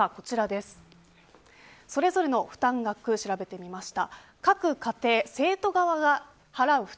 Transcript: それぞれの負担額を調べてみました。